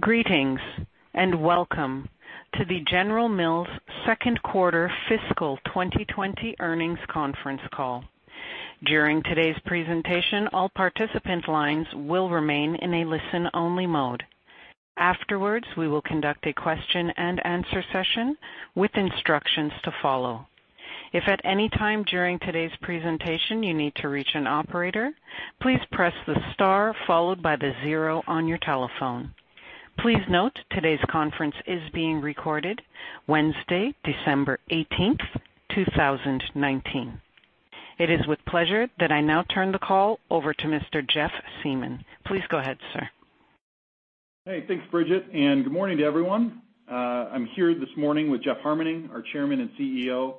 Greetings, welcome to the General Mills second quarter fiscal 2020 earnings conference call. During today's presentation, all participant lines will remain in a listen-only mode. Afterwards, we will conduct a question-and-answer session with instructions to follow. If at any time during today's presentation you need to reach an operator, please press the star followed by the zero on your telephone. Please note today's conference is being recorded Wednesday, December 18th, 2019. It is with pleasure that I now turn the call over to Mr. Jeff Siemon. Please go ahead, sir. Hey, thanks, Bridget, and good morning to everyone. I'm here this morning with Jeff Harmening, our Chairman and CEO,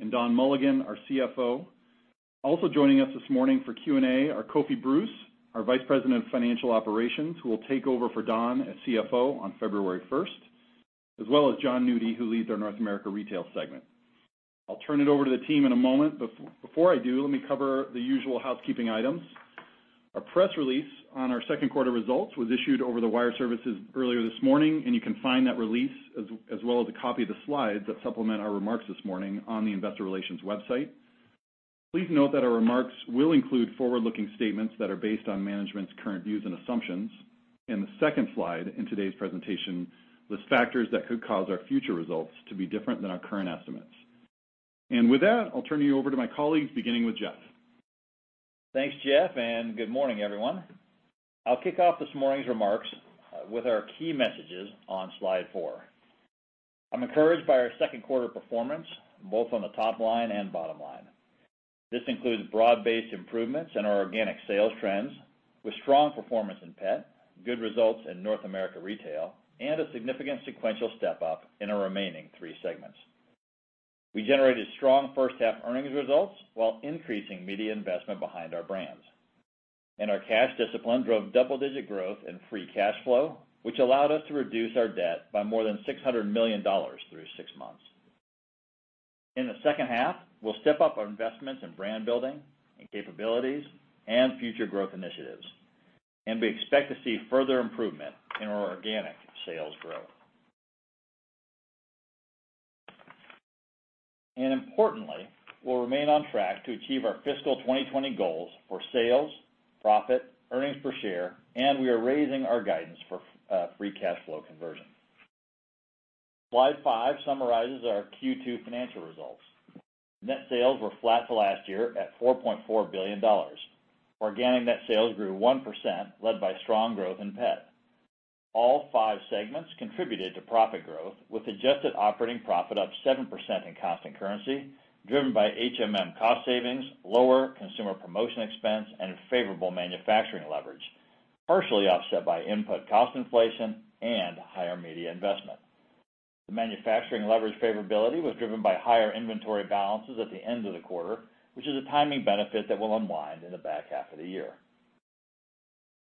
and Don Mulligan, our CFO. Also joining us this morning for Q&A are Kofi Bruce, our Vice President of Financial Operations, who will take over for Don as CFO on February 1st, as well as Jon Nudi, who leads our North America Retail segment. I'll turn it over to the team in a moment, but before I do, let me cover the usual housekeeping items. A press release on our second quarter results was issued over the wire services earlier this morning, and you can find that release as well as a copy of the slides that supplement our remarks this morning on the investor relations website. Please note that our remarks will include forward-looking statements that are based on management's current views and assumptions. The second slide in today's presentation lists factors that could cause our future results to be different than our current estimates. With that, I'll turn you over to my colleagues, beginning with Jeff. Thanks, Jeff, and good morning, everyone. I'll kick off this morning's remarks with our key messages on slide four. I'm encouraged by our second quarter performance, both on the top line and bottom line. This includes broad-based improvements in our organic sales trends with strong performance in Pet, good results in North America Retail, and a significant sequential step-up in our remaining three segments. We generated strong first-half earnings results while increasing media investment behind our brands. Our cash discipline drove double-digit growth in free cash flow, which allowed us to reduce our debt by more than $600 million through six months. In the second half, we'll step up our investments in brand building, in capabilities, and future growth initiatives, and we expect to see further improvement in our organic sales growth. Importantly, we'll remain on track to achieve our fiscal 2020 goals for sales, profit, earnings per share, and we are raising our guidance for free cash flow conversion. Slide 5 summarizes our Q2 financial results. Net sales were flat to last year at $4.4 billion. Organic net sales grew 1%, led by strong growth in pet. All five segments contributed to profit growth, with adjusted operating profit up 7% in constant currency, driven by HMM cost savings, lower consumer promotion expense, and favorable manufacturing leverage, partially offset by input cost inflation and higher media investment. The manufacturing leverage favorability was driven by higher inventory balances at the end of the quarter, which is a timing benefit that will unwind in the back half of the year.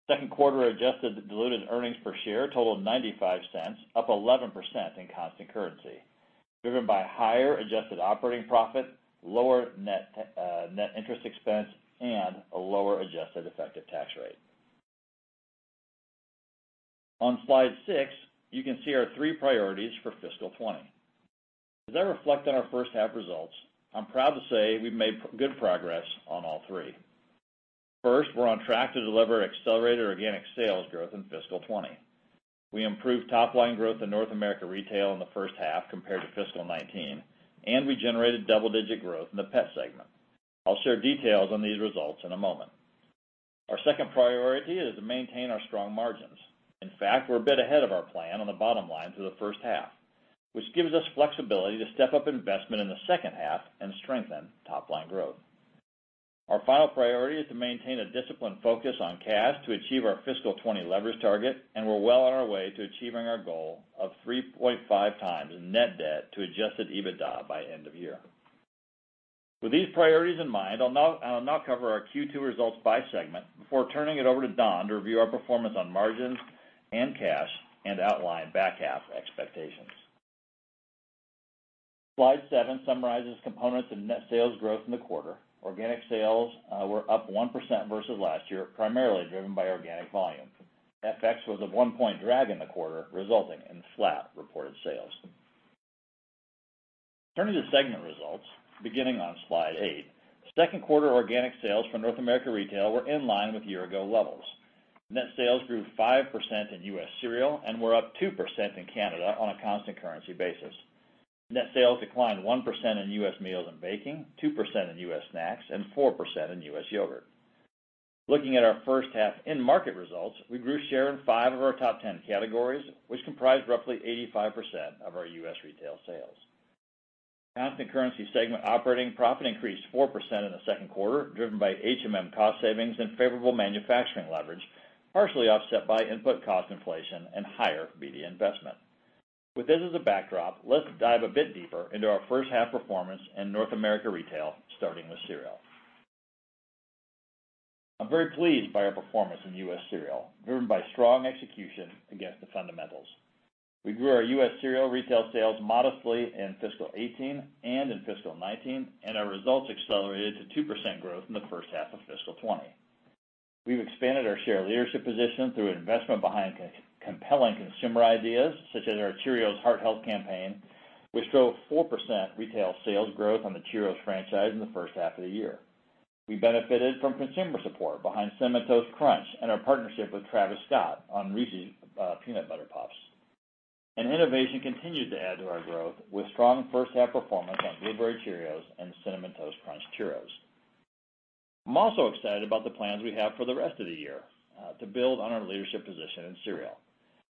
Second quarter adjusted diluted earnings per share totaled $0.95, up 11% in constant currency, driven by higher adjusted operating profit, lower net interest expense, and a lower adjusted effective tax rate. On slide 6, you can see our three priorities for fiscal 2020. As I reflect on our first half results, I'm proud to say we've made good progress on all three. We're on track to deliver accelerated organic sales growth in fiscal 2020. We improved top-line growth in North America Retail in the first half compared to fiscal 2019, and we generated double-digit growth in the pet segment. I'll share details on these results in a moment. Our second priority is to maintain our strong margins. In fact, we're a bit ahead of our plan on the bottom line through the first half, which gives us flexibility to step up investment in the second half and strengthen top-line growth. Our final priority is to maintain a disciplined focus on cash to achieve our fiscal 2020 leverage target. We're well on our way to achieving our goal of 3.5 times net debt to adjusted EBITDA by end of year. With these priorities in mind, I'll now cover our Q2 results by segment before turning it over to Don to review our performance on margins and cash and outline back-half expectations. Slide 7 summarizes components of net sales growth in the quarter. Organic sales were up 1% versus last year, primarily driven by organic volume. FX was a one-point drag in the quarter, resulting in flat reported sales. Turning to segment results, beginning on slide 8, second quarter organic sales from North America Retail were in line with year-ago levels. Net sales grew 5% in U.S. cereal and were up 2% in Canada on a constant currency basis. Net sales declined 1% in U.S. Meals & Baking, 2% in U.S. Snacks, and 4% in U.S. Yogurt. Looking at our first half end market results, we grew share in five of our top 10 categories, which comprise roughly 85% of our U.S. retail sales. Constant currency segment operating profit increased 4% in the second quarter, driven by HMM cost savings and favorable manufacturing leverage, partially offset by input cost inflation and higher media investment. With this as a backdrop, let's dive a bit deeper into our first half performance in North America Retail, starting with cereal. I'm very pleased by our performance in U.S. cereal, driven by strong execution against the fundamentals. We grew our U.S. cereal retail sales modestly in fiscal 2018 and in fiscal 2019. Our results accelerated to 2% growth in the first half of fiscal 2020. We've expanded our share leadership position through an investment behind compelling consumer ideas, such as our Cheerios Heart Health Campaign, which drove 4% retail sales growth on the Cheerios franchise in the first half of the year. We benefited from consumer support behind Cinnamon Toast Crunch and our partnership with Travis Scott on Reese's Peanut Butter Puffs. Innovation continues to add to our growth, with strong first half performance on Blueberry Cheerios and Cinnamon Toast Crunch Churros. I'm also excited about the plans we have for the rest of the year to build on our leadership position in cereal.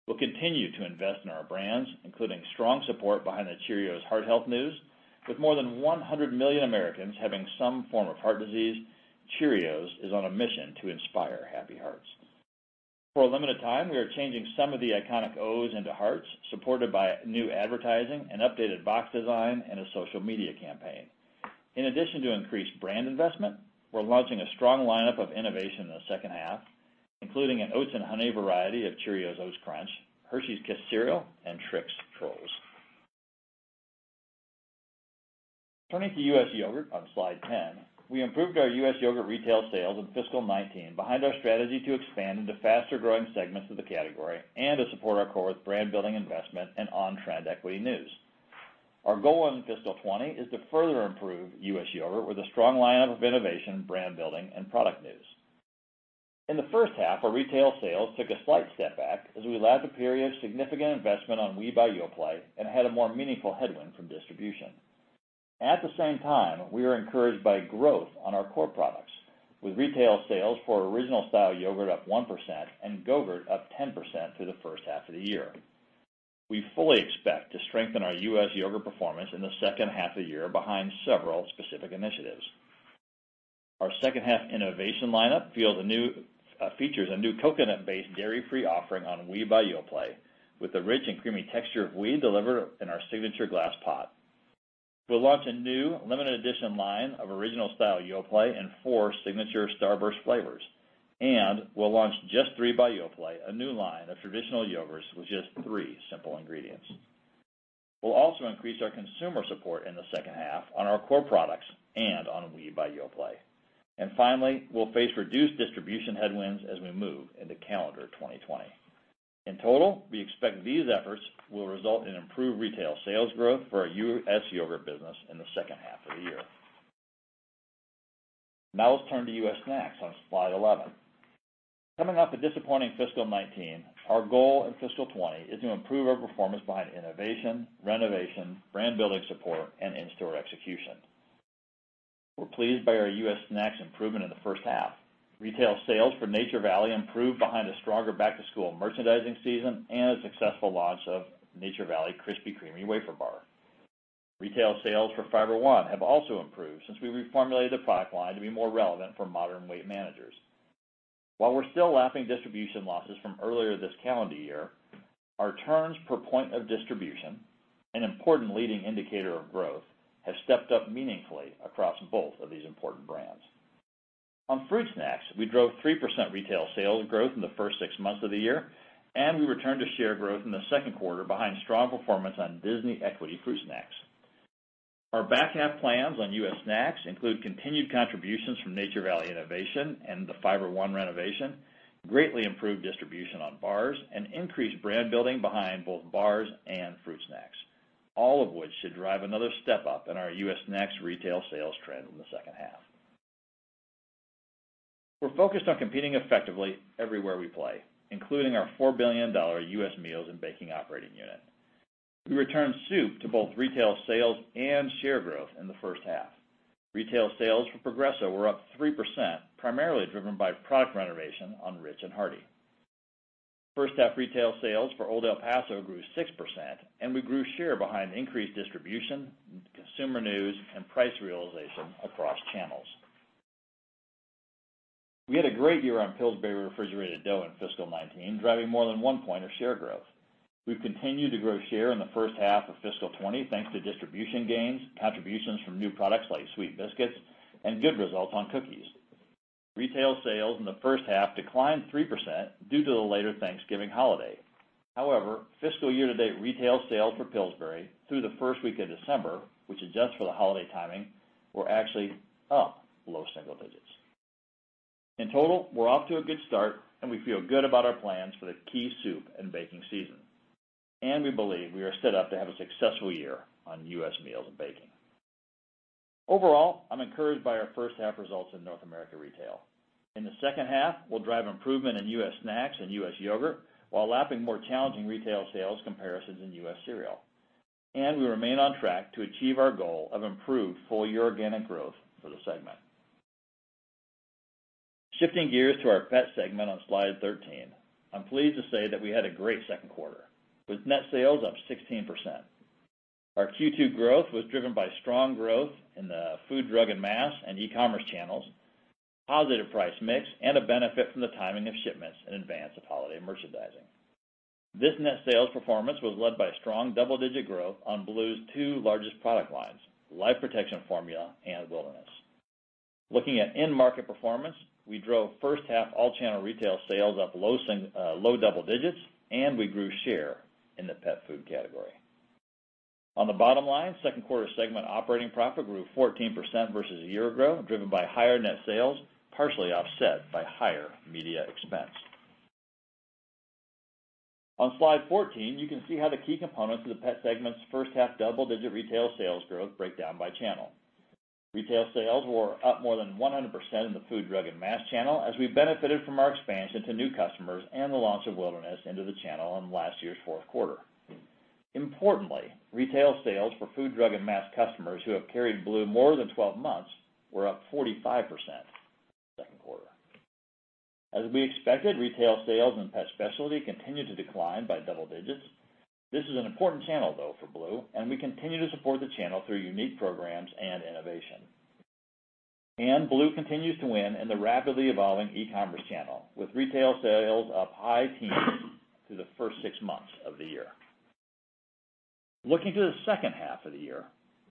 We'll continue to invest in our brands, including strong support behind the Cheerios heart health news. With more than 100 million Americans having some form of heart disease, Cheerios is on a mission to inspire happy hearts. For a limited time, we are changing some of the iconic O's into hearts, supported by new advertising, an updated box design, and a social media campaign. In addition to increased brand investment, we're launching a strong lineup of innovation in the second half, including an oats and honey variety of Cheerios Oat Crunch, Hershey's Kisses Cereal, and Trix Trolls. Turning to U.S. Yogurt on slide 10, we improved our U.S. Yogurt retail sales in fiscal 2019 behind our strategy to expand into faster-growing segments of the category and to support our core with brand-building investment and on-trend equity news. Our goal in fiscal 2020 is to further improve U.S. Yogurt with a strong lineup of innovation, brand building, and product news. In the first half, our retail sales took a slight step back as we lapped a period of significant investment on Oui by Yoplait and had a more meaningful headwind from distribution. At the same time, we are encouraged by growth on our core products, with retail sales for Original Style Yogurt up 1% and Go-Gurt up 10% through the first half of the year. We fully expect to strengthen our U.S. Yogurt performance in the second half of the year behind several specific initiatives. Our second-half innovation lineup features a new coconut-based dairy-free offering on Oui by Yoplait, with the rich and creamy texture of Oui delivered in our signature glass pot. We'll launch a new limited edition line of Original Style Yoplait in four signature Starburst flavors. We'll launch Just 3 by Yoplait, a new line of traditional yogurts with just three simple ingredients. We'll also increase our consumer support in the second half on our core products and on Oui by Yoplait. Finally, we'll face reduced distribution headwinds as we move into calendar 2020. In total, we expect these efforts will result in improved retail sales growth for our U.S. Yogurt business in the second half of the year. Now let's turn to U.S. Snacks on slide 11. Coming off a disappointing fiscal 2019, our goal in fiscal 2020 is to improve our performance behind innovation, renovation, brand building support, and in-store execution. We're pleased by our U.S. Snacks improvement in the first half. Retail sales for Nature Valley improved behind a stronger back-to-school merchandising season and a successful launch of Nature Valley Crispy Creamy Wafer Bar. Retail sales for Fiber One have also improved since we reformulated the product line to be more relevant for modern weight managers. While we're still lapping distribution losses from earlier this calendar year, our turns per point of distribution, an important leading indicator of growth, have stepped up meaningfully across both of these important brands. On Fruit Snacks, we drove 3% retail sales growth in the first six months of the year, and we returned to share growth in the second quarter behind strong performance on Disney equity Fruit Snacks. Our back half plans on U.S. Snacks include continued contributions from Nature Valley innovation and the Fiber One renovation, greatly improved distribution on bars, and increased brand building behind both bars and fruit snacks, all of which should drive another step up in our U.S. Snacks retail sales trend in the second half. We're focused on competing effectively everywhere we play, including our $4 billion U.S. Meals & Baking operating unit. We returned soup to both retail sales and share growth in the first half. Retail sales for Progresso were up 3%, primarily driven by product renovation on Rich & Hearty. First half retail sales for Old El Paso grew 6%, and we grew share behind increased distribution, consumer news, and price realization across channels. We had a great year on Pillsbury Refrigerated Dough in fiscal 2019, driving more than one point of share growth. We've continued to grow share in the first half of fiscal 2020, thanks to distribution gains, contributions from new products like Sweet Biscuits, and good results on cookies. Retail sales in the first half declined 3% due to the later Thanksgiving holiday. However, fiscal year to date retail sales for Pillsbury through the first week of December, which adjusts for the holiday timing, were actually up low single digits. In total, we're off to a good start, and we feel good about our plans for the key soup and baking season. We believe we are set up to have a successful year on U.S. Meals & Baking. Overall, I'm encouraged by our first half results in North America Retail. In the second half, we'll drive improvement in U.S. Snacks and U.S. Yogurt while lapping more challenging retail sales comparisons in U.S. Cereal. We remain on track to achieve our goal of improved full-year organic growth for the segment. Shifting gears to our Pet segment on slide 13. I'm pleased to say that we had a great second quarter, with net sales up 16%. Our Q2 growth was driven by strong growth in the food, drug, and mass and e-commerce channels, positive price mix, and a benefit from the timing of shipments in advance of holiday merchandising. This net sales performance was led by strong double-digit growth on Blue's two largest product lines, Life Protection Formula and BLUE Wilderness. Looking at end market performance, we drove first half all channel retail sales up low double digits, and we grew share in the pet food category. On the bottom line, second quarter segment operating profit grew 14% versus a year ago, driven by higher net sales, partially offset by higher media expense. On slide 14, you can see how the key components of the pet segment's first half double-digit retail sales growth breakdown by channel. Retail sales were up more than 100% in the food, drug, and mass channel as we benefited from our expansion to new customers and the launch of BLUE Wilderness into the channel in last year's fourth quarter. Importantly, retail sales for food, drug, and mass customers who have carried Blue more than 12 months were up 45% second quarter. As we expected, retail sales in pet specialty continued to decline by double digits. This is an important channel, though, for Blue. We continue to support the channel through unique programs and innovation. Blue continues to win in the rapidly evolving e-commerce channel, with retail sales up high teens through the first six months of the year. Looking to the second half of the year,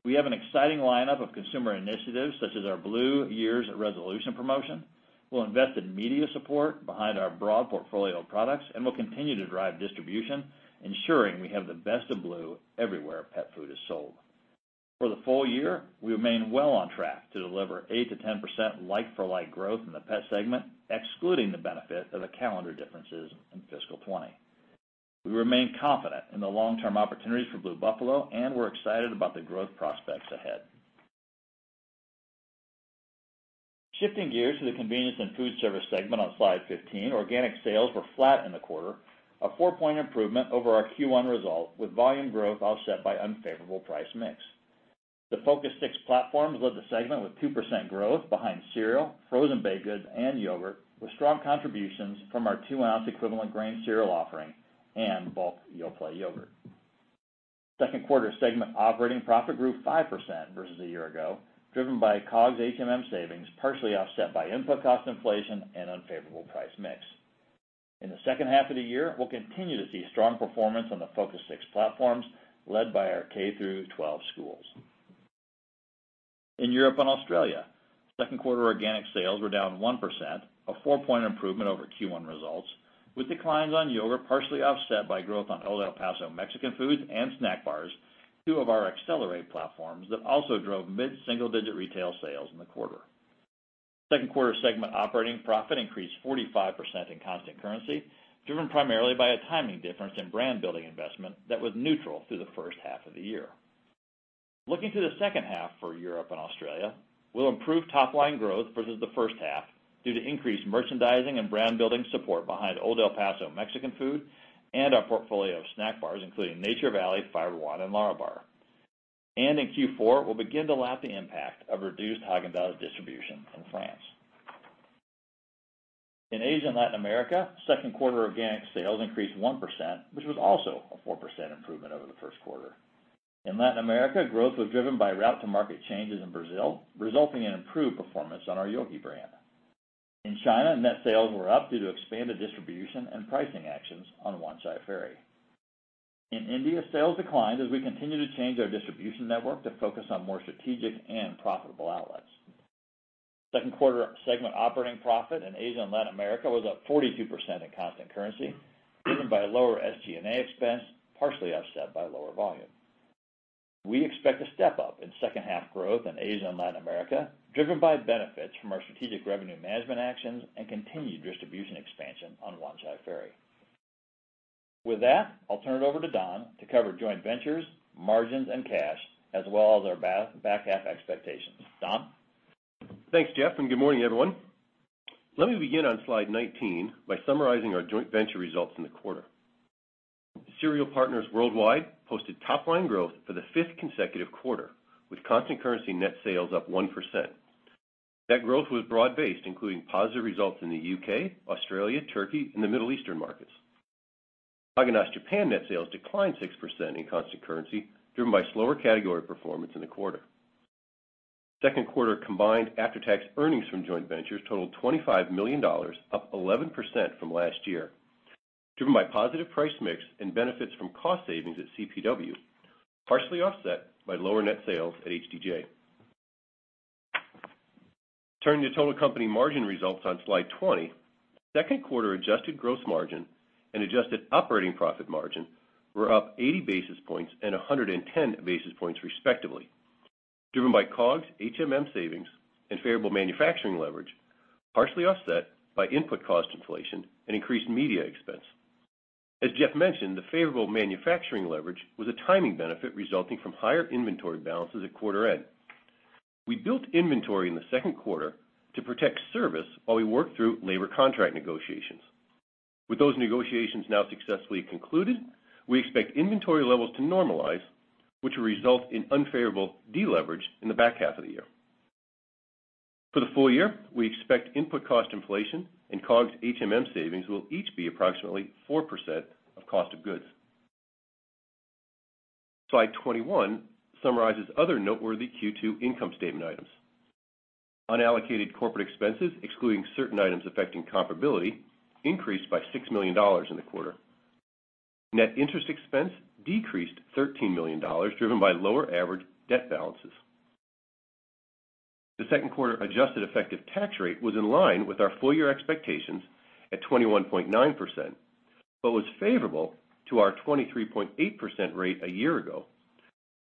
we have an exciting lineup of consumer initiatives such as our Blue Year's Resolution promotion. We'll invest in media support behind our broad portfolio of products, and we'll continue to drive distribution, ensuring we have the best of Blue everywhere pet food is sold. For the full year, we remain well on track to deliver 8%-10% like-for-like growth in the pet segment, excluding the benefit of the calendar differences in fiscal 2020. We remain confident in the long-term opportunities for Blue Buffalo, and we're excited about the growth prospects ahead. Shifting gears to the Convenience & Foodservice segment on slide 15, organic sales were flat in the quarter, a four-point improvement over our Q1 result, with volume growth offset by unfavorable price mix. The Focus 6 platforms led the segment with 2% growth behind cereal, frozen baked goods, and yogurt, with strong contributions from our 2-ounce equivalent grain cereal offering and bulk Yoplait yogurt. Second quarter segment operating profit grew 5% versus a year ago, driven by a COGS HMM savings, partially offset by input cost inflation and unfavorable price mix. In the second half of the year, we'll continue to see strong performance on the Focus 6 platforms led by our K through 12 schools. In Europe and Australia, second quarter organic sales were down 1%, a 4-point improvement over Q1 results, with declines on yogurt partially offset by growth on Old El Paso Mexican food and snack bars, two of our Accelerate platforms that also drove mid-single digit retail sales in the quarter. Second quarter segment operating profit increased 45% in constant currency, driven primarily by a timing difference in brand-building investment that was neutral through the first half of the year. Looking to the second half for Europe and Australia, we'll improve top line growth versus the first half due to increased merchandising and brand-building support behind Old El Paso Mexican food and our portfolio of snack bars, including Nature Valley, Fiber One, and LÄRABAR. In Q4, we'll begin to lap the impact of reduced Häagen-Dazs distribution in France. In Asia and Latin America, second quarter organic sales increased 1%, which was also a 4% improvement over the first quarter. In Latin America, growth was driven by route to market changes in Brazil, resulting in improved performance on our Yoki brand. In China, net sales were up due to expanded distribution and pricing actions on Wanchai Ferry. In India, sales declined as we continue to change our distribution network to focus on more strategic and profitable outlets. Second quarter segment operating profit in Asia and Latin America was up 42% in constant currency, driven by lower SG&A expense, partially offset by lower volume. We expect a step-up in second half growth in Asia and Latin America, driven by benefits from our strategic revenue management actions and continued distribution expansion on Wanchai Ferry. With that, I'll turn it over to Don to cover joint ventures, margins, and cash, as well as our back half expectations. Don? Thanks, Jeff. Good morning, everyone. Let me begin on slide 19 by summarizing our joint venture results in the quarter. Cereal Partners Worldwide posted top line growth for the fifth consecutive quarter, with constant currency net sales up 1%. That growth was broad-based, including positive results in the U.K., Australia, Turkey, and the Middle Eastern markets. Häagen-Dazs Japan net sales declined 6% in constant currency, driven by slower category performance in the quarter. Second quarter combined after-tax earnings from joint ventures totaled $25 million, up 11% from last year, driven by positive price mix and benefits from cost savings at CPW, partially offset by lower net sales at HDJ. Turning to total company margin results on slide 20, second quarter adjusted gross margin and adjusted operating profit margin were up 80 basis points and 110 basis points respectively, driven by COGS HMM savings and favorable manufacturing leverage, partially offset by input cost inflation and increased media expense. As Jeff mentioned, the favorable manufacturing leverage was a timing benefit resulting from higher inventory balances at quarter end. We built inventory in the second quarter to protect service while we worked through labor contract negotiations. With those negotiations now successfully concluded, we expect inventory levels to normalize, which will result in unfavorable deleverage in the back half of the year. For the full year, we expect input cost inflation and COGS HMM savings will each be approximately 4% of cost of goods. Slide 21 summarizes other noteworthy Q2 income statement items. Unallocated corporate expenses, excluding certain items affecting comparability, increased by $6 million in the quarter. Net interest expense decreased $13 million, driven by lower average debt balances. The second quarter adjusted effective tax rate was in line with our full-year expectations at 21.9%, but was favorable to our 23.8% rate a year ago,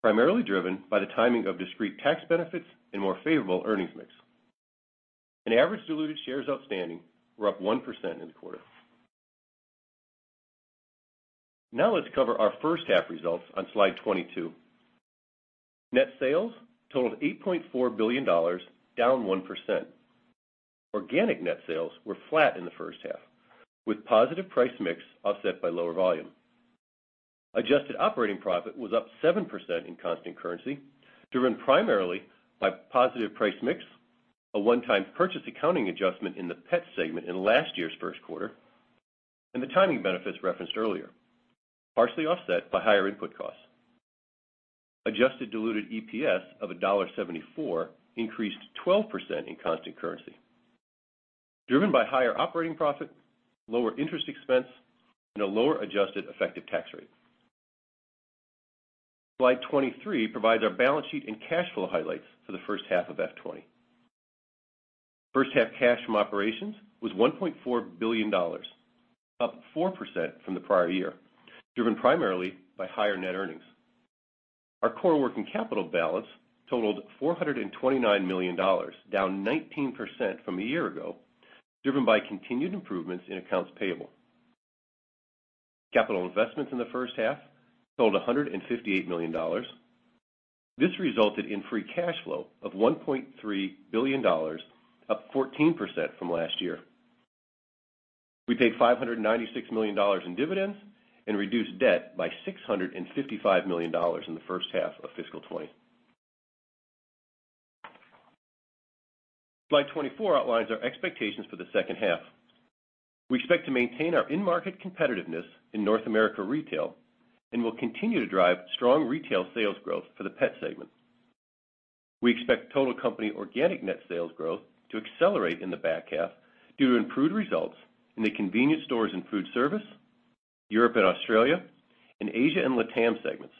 primarily driven by the timing of discrete tax benefits and more favorable earnings mix. Average diluted shares outstanding were up 1% in the quarter. Now let's cover our first half results on slide 22. Net sales totaled $8.4 billion, down 1%. Organic net sales were flat in the first half, with positive price mix offset by lower volume. Adjusted operating profit was up 7% in constant currency, driven primarily by positive price mix, a one-time purchase accounting adjustment in the Pet segment in last year's first quarter, and the timing benefits referenced earlier, partially offset by higher input costs. Adjusted diluted EPS of $1.74 increased 12% in constant currency, driven by higher operating profit, lower interest expense, and a lower adjusted effective tax rate. Slide 23 provides our balance sheet and cash flow highlights for the first half of FY 2020. First half cash from operations was $1.4 billion, up 4% from the prior year, driven primarily by higher net earnings. Our core working capital balance totaled $429 million, down 19% from a year ago, driven by continued improvements in accounts payable. Capital investments in the first half totaled $158 million. This resulted in free cash flow of $1.3 billion, up 14% from last year. We paid $596 million in dividends and reduced debt by $655 million in the first half of fiscal 2020. Slide 24 outlines our expectations for the second half. We expect to maintain our in-market competitiveness in North America Retail, and will continue to drive strong retail sales growth for the Pet segment. We expect total company organic net sales growth to accelerate in the back half due to improved results in the Convenience Stores & Foodservice, Europe & Australia, and Asia & LATAM segments,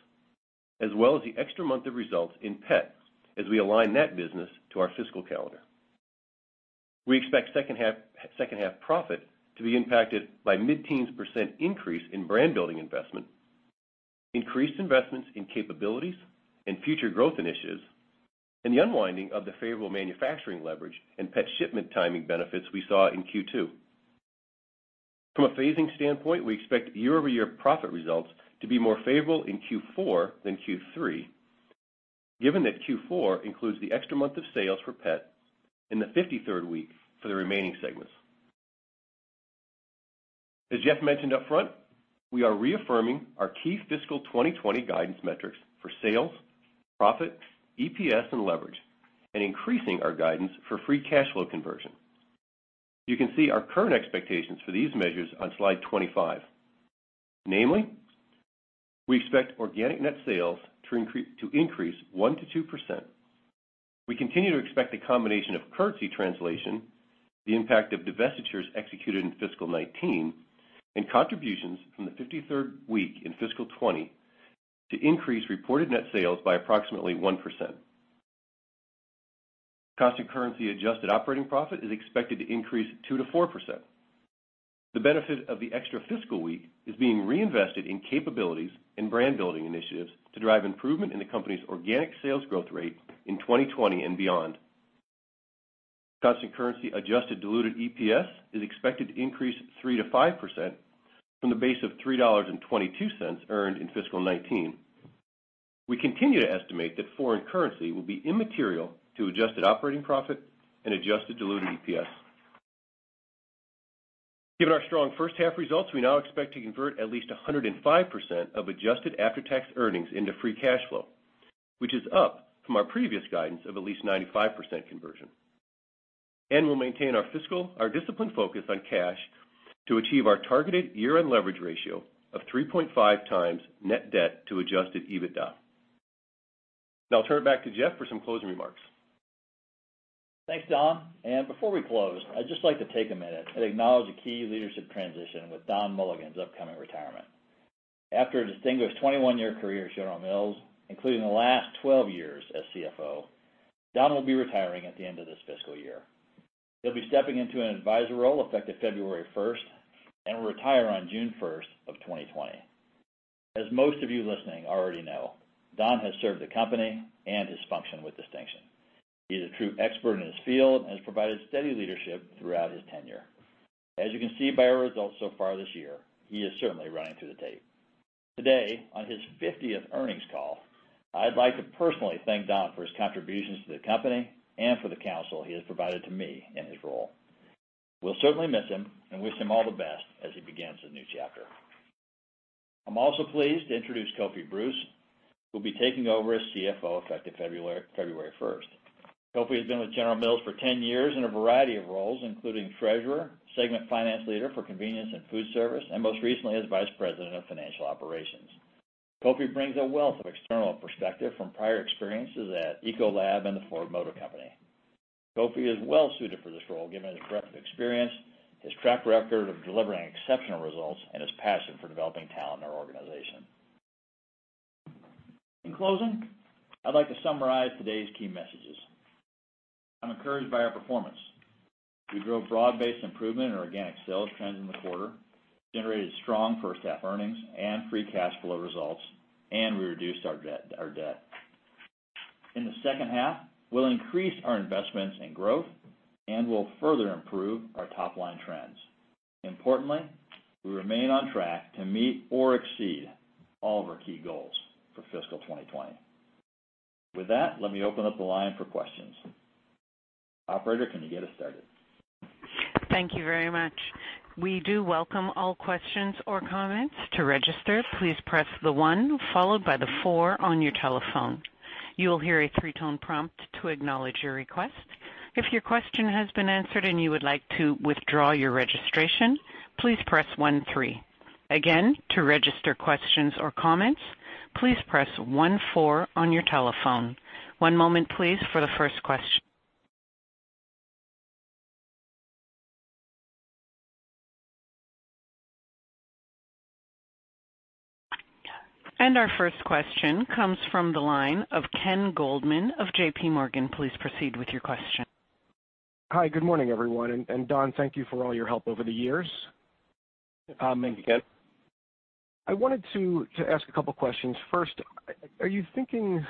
as well as the extra month of results in Pet as we align that business to our fiscal calendar. We expect second half profit to be impacted by mid-teens % increase in brand-building investment, increased investments in capabilities and future growth initiatives, and the unwinding of the favorable manufacturing leverage and Pet shipment timing benefits we saw in Q2. From a phasing standpoint, we expect year-over-year profit results to be more favorable in Q4 than Q3, given that Q4 includes the extra month of sales for pet and the 53rd week for the remaining segments. As Jeff mentioned up front, we are reaffirming our key fiscal 2020 guidance metrics for sales, profit, EPS, and leverage, and increasing our guidance for free cash flow conversion. You can see our current expectations for these measures on slide 25. Namely, we expect organic net sales to increase 1%-2%. We continue to expect a combination of currency translation, the impact of divestitures executed in fiscal 2019, and contributions from the 53rd week in fiscal 2020 to increase reported net sales by approximately 1%. Constant currency adjusted operating profit is expected to increase 2%-4%. The benefit of the extra fiscal week is being reinvested in capabilities and brand-building initiatives to drive improvement in the company's organic sales growth rate in 2020 and beyond. Constant currency adjusted diluted EPS is expected to increase 3% to 5% from the base of $3.22 earned in fiscal 2019. We continue to estimate that foreign currency will be immaterial to adjusted operating profit and adjusted diluted EPS. Given our strong first half results, we now expect to convert at least 105% of adjusted after-tax earnings into free cash flow, which is up from our previous guidance of at least 95% conversion. We'll maintain our disciplined focus on cash to achieve our targeted year-end leverage ratio of 3.5 times net debt to adjusted EBITDA. Now I'll turn it back to Jeff for some closing remarks. Thanks, Don. Before we close, I'd just like to take a minute and acknowledge a key leadership transition with Don Mulligan's upcoming retirement. After a distinguished 21-year career at General Mills, including the last 12 years as CFO, Don will be retiring at the end of this fiscal year. He'll be stepping into an advisor role effective February 1st and will retire on June 1st of 2020. As most of you listening already know, Don has served the company and his function with distinction. He is a true expert in his field and has provided steady leadership throughout his tenure. As you can see by our results so far this year, he is certainly running through the tape. Today, on his 50th earnings call, I'd like to personally thank Don for his contributions to the company and for the counsel he has provided to me in his role. We'll certainly miss him and wish him all the best as he begins a new chapter. I'm also pleased to introduce Kofi Bruce, who'll be taking over as CFO effective February 1st. Kofi has been with General Mills for 10 years in a variety of roles, including treasurer, segment finance leader for Convenience & Foodservice, and most recently, as vice president of financial operations. Kofi brings a wealth of external perspective from prior experiences at Ecolab and the Ford Motor Company. Kofi is well suited for this role given his breadth of experience, his track record of delivering exceptional results, and his passion for developing talent in our organization. In closing, I'd like to summarize today's key messages. I'm encouraged by our performance. We drove broad-based improvement in organic sales trends in the quarter, generated strong first half earnings and free cash flow results, and we reduced our debt. In the second half, we'll increase our investments in growth, and we'll further improve our top-line trends. Importantly, we remain on track to meet or exceed all of our key goals for fiscal 2020. With that, let me open up the line for questions. Operator, can you get us started? Thank you very much. We do welcome all questions or comments. To register, please press the one followed by the four on your telephone. You will hear a three-tone prompt to acknowledge your request. If your question has been answered and you would like to withdraw your registration, please press one three. Again, to register questions or comments, please press one four on your telephone. One moment, please, for the first question. Our first question comes from the line of Ken Goldman of JPMorgan. Please proceed with your question. Hi. Good morning, everyone. Don, thank you for all your help over the years. Thank you, Ken. I wanted to ask a couple questions. First, are you thinking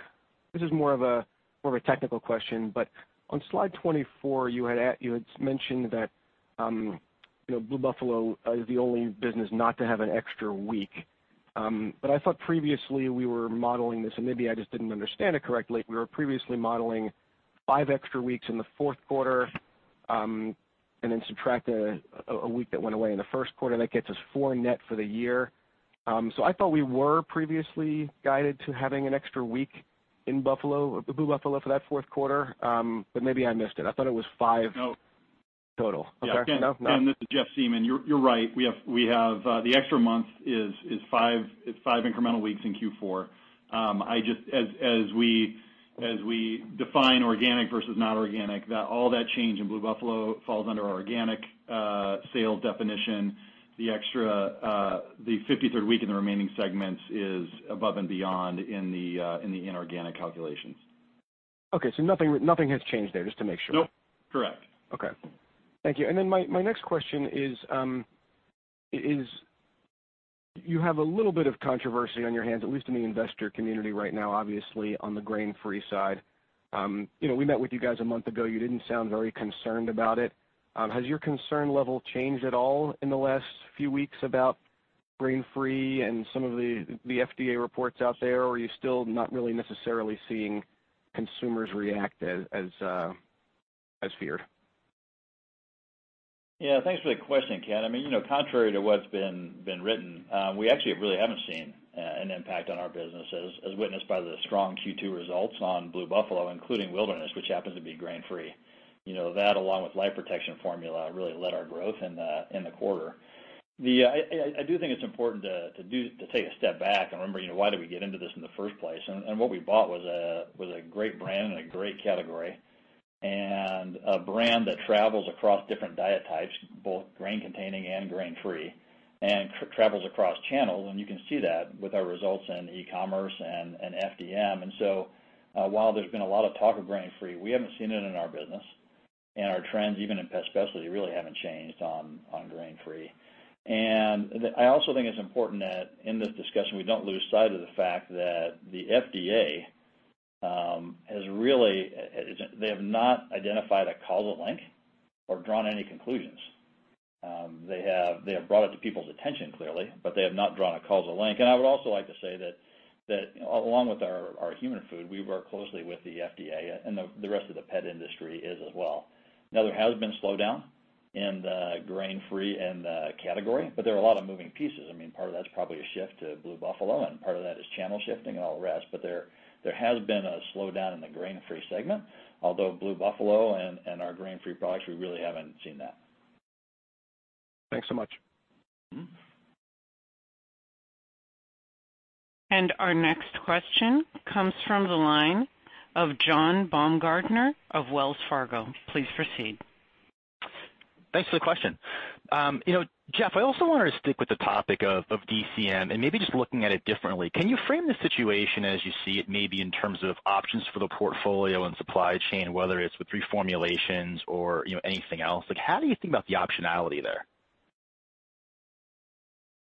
this is more of a technical question, on slide 24, you had mentioned that Blue Buffalo is the only business not to have an extra week. I thought previously we were modeling this, and maybe I just didn't understand it correctly. We were previously modeling five extra weeks in the fourth quarter, subtract a week that went away in the first quarter. That gets us four net for the year. I thought we were previously guided to having an extra week in Blue Buffalo for that fourth quarter, maybe I missed it. I thought it was five. No Total. Okay. No? Ken, this is Jeff Siemon. You're right. The extra month is five incremental weeks in Q4. As we define organic versus not organic, all that change in Blue Buffalo falls under our organic sales definition. The 53rd week in the remaining segments is above and beyond in the inorganic calculations. Okay, nothing has changed there, just to make sure. Nope. Correct. Okay. Thank you. My next question is, you have a little bit of controversy on your hands, at least in the investor community right now, obviously, on the grain-free side. We met with you guys a month ago. You didn't sound very concerned about it. Has your concern level changed at all in the last few weeks about grain-free and some of the FDA reports out there, or are you still not really necessarily seeing consumers react as feared? Yeah. Thanks for the question, Ken. Contrary to what's been written, we actually really haven't seen an impact on our business as witnessed by the strong Q2 results on Blue Buffalo, including Wilderness, which happens to be grain-free. That along with Life Protection Formula really led our growth in the quarter. I do think it's important to take a step back and remember, why did we get into this in the first place? What we bought was a great brand and a great category, and a brand that travels across different diet types, both grain-containing and grain-free, and travels across channels, and you can see that with our results in e-commerce and FDM. While there's been a lot of talk of grain-free, we haven't seen it in our business, and our trends, even in pet specialty, really haven't changed on grain-free. I also think it's important that in this discussion, we don't lose sight of the fact that the FDA has, they have not identified a causal link or drawn any conclusions. They have brought it to people's attention clearly, they have not drawn a causal link. I would also like to say that along with our human food, we work closely with the FDA, and the rest of the pet industry is as well. There has been a slowdown in the grain-free and the category, there are a lot of moving pieces. Part of that is probably a shift to Blue Buffalo, part of that is channel shifting and all the rest. There has been a slowdown in the grain-free segment, although Blue Buffalo and our grain-free products, we really haven't seen that. Thanks so much. Mm-hmm. Our next question comes from the line of John Baumgartner of Wells Fargo. Please proceed. Thanks for the question. Jeff, I also wanted to stick with the topic of DCM and maybe just looking at it differently. Can you frame the situation as you see it, maybe in terms of options for the portfolio and supply chain, whether it's with reformulations or anything else? How do you think about the optionality there?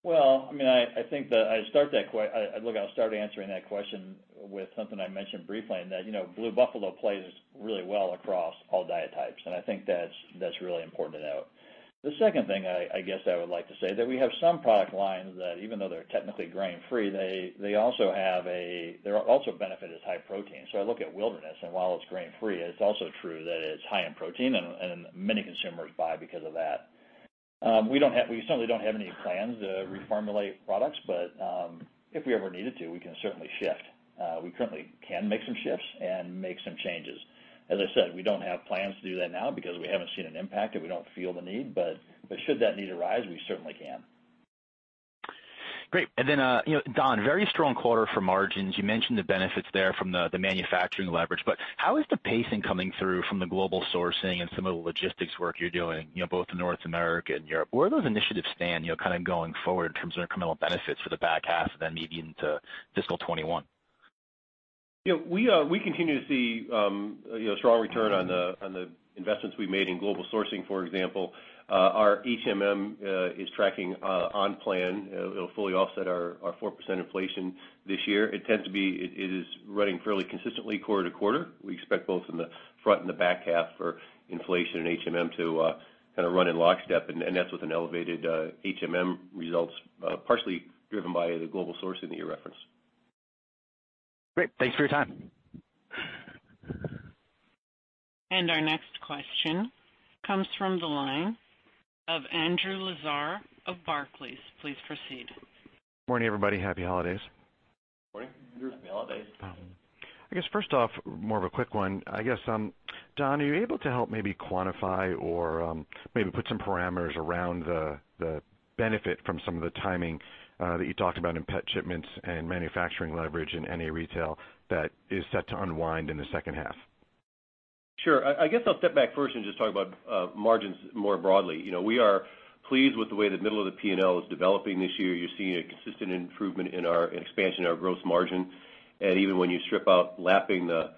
Well, I'll start answering that question with something I mentioned briefly, and that Blue Buffalo plays really well across all diet types, and I think that's really important to note. The second thing I guess I would like to say that we have some product lines that even though they're technically grain-free, they also benefit as high protein. I look at Wilderness, and while it's grain-free, it's also true that it's high in protein and many consumers buy because of that. We certainly don't have any plans to reformulate products, but if we ever needed to, we can certainly shift. We currently can make some shifts and make some changes. As I said, we don't have plans to do that now because we haven't seen an impact and we don't feel the need, but should that need arise, we certainly can. Great. Don, very strong quarter for margins. You mentioned the benefits there from the manufacturing leverage, how is the pacing coming through from the global sourcing and some of the logistics work you're doing, both in North America and Europe? Where do those initiatives stand going forward in terms of incremental benefits for the back half of that leading into fiscal 2021? We continue to see strong return on the investments we made in global sourcing, for example. Our HMM is tracking on plan. It'll fully offset our 4% inflation this year. It is running fairly consistently quarter to quarter. We expect both in the front and the back half for inflation and HMM to kind of run in lockstep, and that's with an elevated HMM results, partially driven by the global sourcing that you referenced. Great. Thanks for your time. Our next question comes from the line of Andrew Lazar of Barclays. Please proceed. Morning, everybody. Happy holidays. Morning. Happy holidays. I guess first off, more of a quick one, I guess. Don, are you able to help maybe quantify or maybe put some parameters around the benefit from some of the timing that you talked about in pet shipments and manufacturing leverage in NA retail that is set to unwind in the second half? Sure. I guess I'll step back first and just talk about margins more broadly. We are pleased with the way the middle of the P&L is developing this year. You're seeing a consistent improvement in our expansion in our gross margin. Even when you strip out lapping the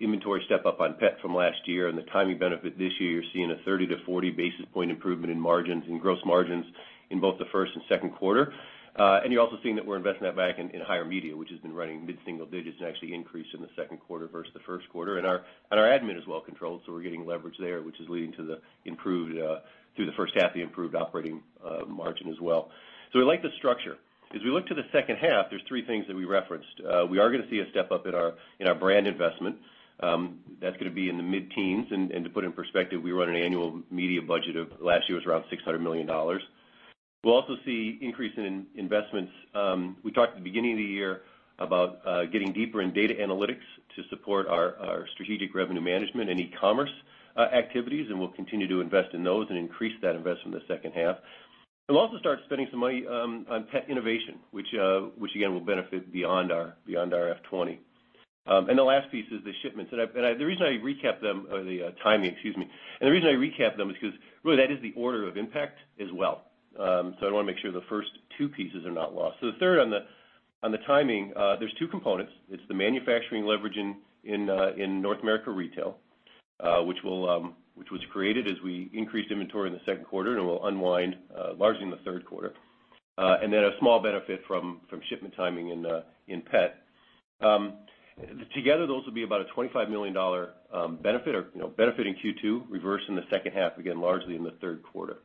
inventory step-up on pet from last year and the timing benefit this year, you're seeing a 30 to 40 basis point improvement in margins and gross margins in both the first and second quarter. You're also seeing that we're investing that back in higher media, which has been running mid-single digits and actually increased in the second quarter versus the first quarter. Our admin is well-controlled, so we're getting leverage there, which is leading to the first half, the improved operating margin as well. We like the structure. As we look to the second half, there's three things that we referenced. We are going to see a step-up in our brand investment. That's going to be in the mid-teens. To put it in perspective, we run an annual media budget of, last year was around $600 million. We'll also see increase in investments. We talked at the beginning of the year about getting deeper in data analytics to support our strategic revenue management and e-commerce activities, we'll continue to invest in those and increase that investment in the second half. We'll also start spending some money on pet innovation, which again, will benefit beyond our F20. The last piece is the shipments. The reason I recapped them or the timing, excuse me. The reason I recapped them is because really that is the order of impact as well. I want to make sure the first two pieces are not lost. The third on the timing, there's two components. It's the manufacturing leverage in North America Retail, which was created as we increased inventory in the second quarter and it will unwind largely in the third quarter. A small benefit from shipment timing in Pet. Together, those will be about a $25 million benefit or benefit in Q2, reverse in the second half, again, largely in the third quarter.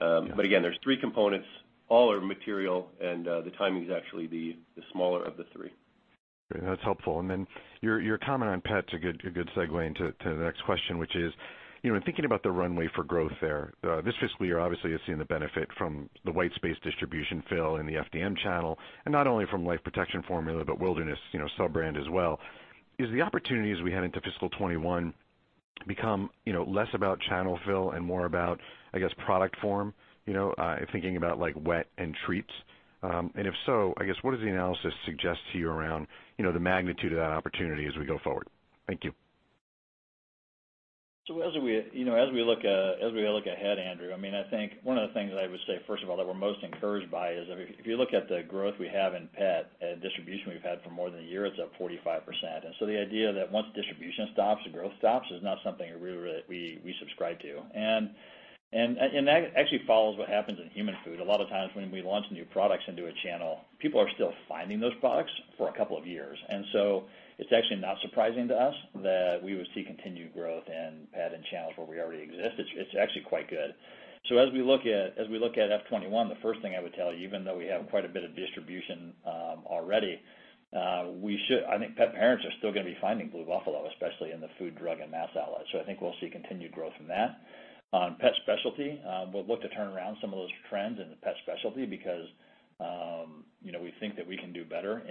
Again, there's three components, all are material, and the timing is actually the smaller of the three. Great. That's helpful. Then your comment on pet's a good segue into the next question, which is, in thinking about the runway for growth there, this fiscal year, obviously you're seeing the benefit from the white space distribution fill in the FDM channel, and not only from Life Protection Formula, but Wilderness sub-brand as well. Is the opportunities we head into fiscal 2021 become less about channel fill and more about, I guess, product form, thinking about like wet and treats? If so, I guess, what does the analysis suggest to you around the magnitude of that opportunity as we go forward? Thank you. As we look ahead, Andrew, I think one of the things that I would say, first of all, that we're most encouraged by is if you look at the growth we have in Pet and distribution we've had for more than a year, it's up 45%. The idea that once distribution stops, the growth stops, is not something really that we subscribe to. That actually follows what happens in human food. A lot of times when we launch new products into a channel, people are still finding those products for a couple of years. It's actually not surprising to us that we would see continued growth in Pet and channels where we already exist. It's actually quite good. As we look at FY 2021, the first thing I would tell you, even though we have quite a bit of distribution already, I think pet parents are still going to be finding Blue Buffalo, especially in the food, drug, and mass outlets. I think we'll see continued growth in that. On pet specialty, we'll look to turn around some of those trends in the pet specialty because we think that we can do better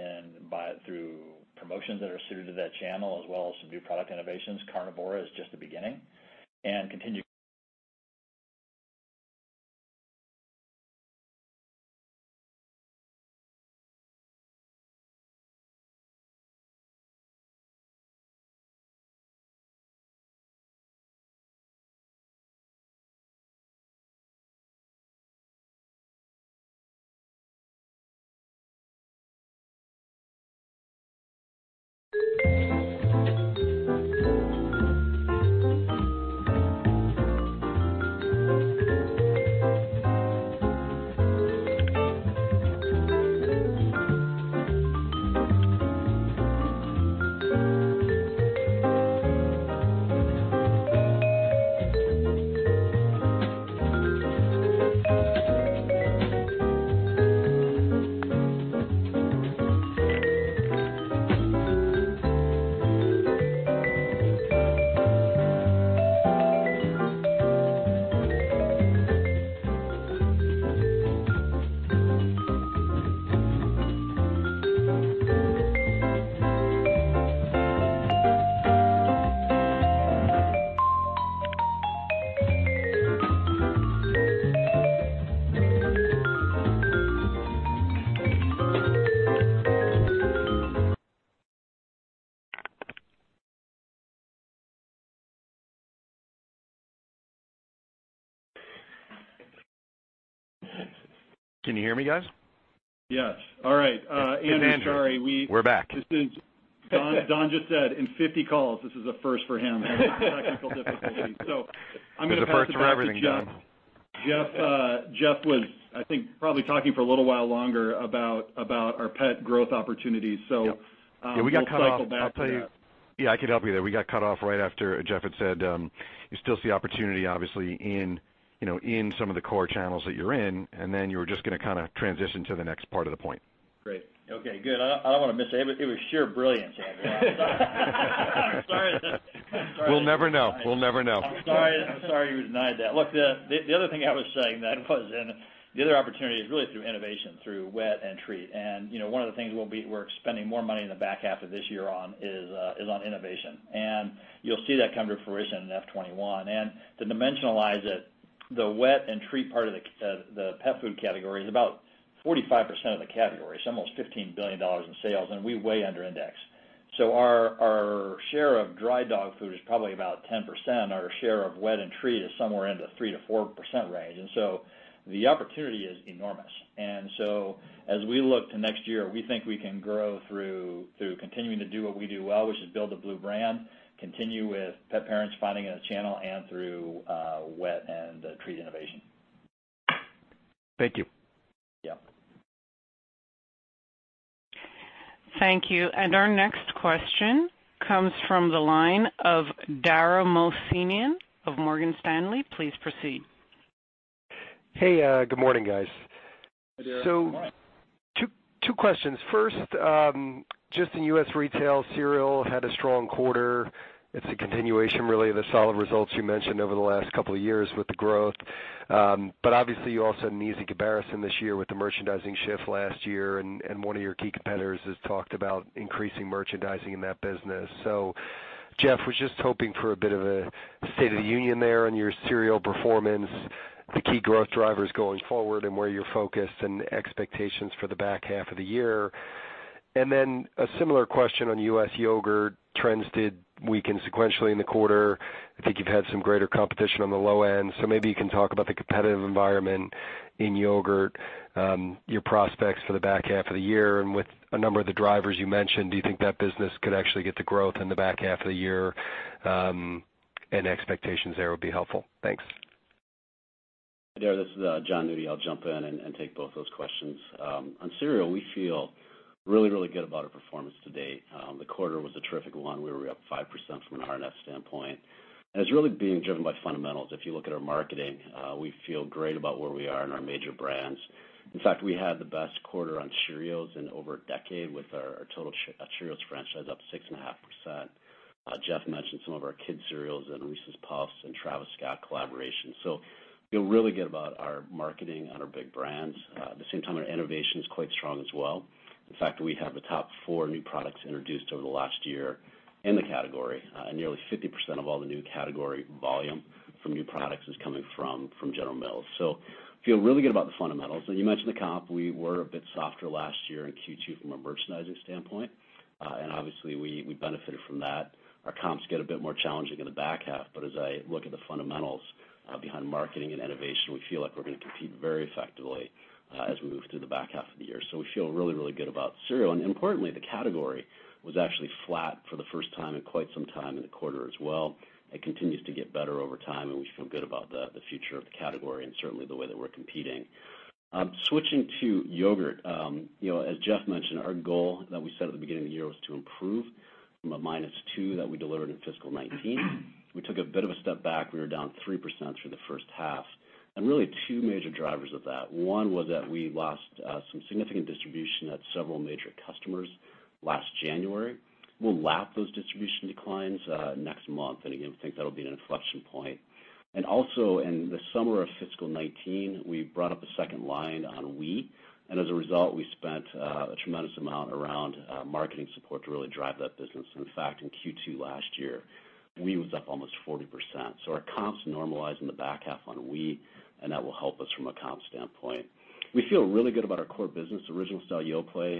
through promotions that are suited to that channel, as well as some new product innovations. Carnivora is just the beginning. Can you hear me guys? Yes. All right. It's Andrew. Andrew, sorry. We're back. Don just said, in 50 calls, this is a first for him, having technical difficulties. I'm going to pass it back to Jeff. There's a first for everything, Don. Jeff was, I think, probably talking for a little while longer about our pet growth opportunities. Yep We'll cycle back to that. Yeah, I can help you there. We got cut off right after Jeff had said, you still see opportunity, obviously, in some of the core channels that you're in, and then you were just going to transition to the next part of the point. Great. Okay, good. I don't want to miss it. It was sheer brilliance, Andrew. I'm sorry. We'll never know. I'm sorry you denied that. The other thing I was saying then was, the other opportunity is really through innovation, through wet and treat. One of the things we're spending more money in the back half of this year on is on innovation. You'll see that come to fruition in F21. To dimensionalize it, the wet and treat part of the pet food category is about 45% of the category. It's almost $15 billion in sales, we way under index. Our share of dry dog food is probably about 10%. Our share of wet and treat is somewhere in the 3%-4% range. The opportunity is enormous. As we look to next year, we think we can grow through continuing to do what we do well, which is build a Blue brand, continue with pet parents finding us channel and through wet and treat innovation. Thank you. Yeah. Thank you. Our next question comes from the line of Dara Mohsenian of Morgan Stanley. Please proceed. Hey, good morning, guys. Hi, Dara. Good morning. Two questions. First, just in U.S. retail, cereal had a strong quarter. It's a continuation, really, of the solid results you mentioned over the last couple of years with the growth. Obviously, you also had an easy comparison this year with the merchandising shift last year, and one of your key competitors has talked about increasing merchandising in that business. Jeff, was just hoping for a bit of a state of the union there on your cereal performance, the key growth drivers going forward and where you're focused, and expectations for the back half of the year. A similar question on U.S. yogurt trends, did weaken sequentially in the quarter. I think you've had some greater competition on the low end. Maybe you can talk about the competitive environment in yogurt, your prospects for the back half of the year, and with a number of the drivers you mentioned, do you think that business could actually get to growth in the back half of the year? Any expectations there would be helpful. Thanks. Dara, this is Jon Nudi. I'll jump in and take both those questions. On cereal, we feel really, really good about our performance to date. The quarter was a terrific one. We were up 5% from an RNS standpoint, and it's really being driven by fundamentals. If you look at our marketing, we feel great about where we are in our major brands. In fact, we had the best quarter on cereals in over a decade with our total cereals franchise up 6.5%. Jeff mentioned some of our kids cereals and Reese's Puffs and Travis Scott collaboration. Feel really good about our marketing on our big brands. At the same time, our innovation is quite strong as well. In fact, we have the top four new products introduced over the last year in the category. Nearly 50% of all the new category volume from new products is coming from General Mills. Feel really good about the fundamentals. You mentioned the comp. We were a bit softer last year in Q2 from a merchandising standpoint. Obviously, we benefited from that. Our comps get a bit more challenging in the back half, but as I look at the fundamentals behind marketing and innovation, we feel like we're going to compete very effectively as we move through the back half of the year. We feel really, really good about cereal. Importantly, the category was actually flat for the first time in quite some time in the quarter as well. It continues to get better over time, and we feel good about the future of the category and certainly the way that we're competing. Switching to yogurt, as Jeff mentioned, our goal that we set at the beginning of the year was to improve from a minus two that we delivered in fiscal 2019. We took a bit of a step back. We were down 3% through the first half. Really two major drivers of that. One was that we lost some significant distribution at several major customers last January. We'll lap those distribution declines next month, again, think that'll be an inflection point. Also, in the summer of fiscal 2019, we brought up a second line on Oui. As a result, we spent a tremendous amount around marketing support to really drive that business. In fact, in Q2 last year, Oui was up almost 40%. Our comps normalize in the back half on Oui, and that will help us from a comp standpoint. We feel really good about our core business. Yoplait